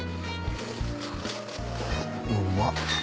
うまっ。